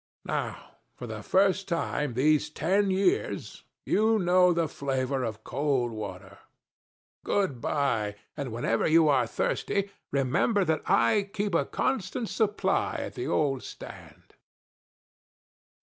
Now, for the first time these ten years, you know the flavor of cold water. Good bye; and whenever you are thirsty, remember that I keep a constant supply at the old stand.